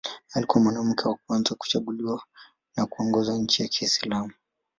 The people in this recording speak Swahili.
Alikuwa mwanamke wa kwanza kuchaguliwa na kuongoza nchi ya Kiislamu.